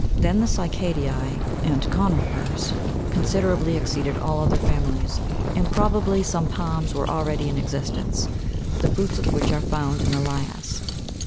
Then the cyca'dese and co'nifers considerably exceeded all other families ; and probably some palms were already in existence, the fruits of which are found in the lias.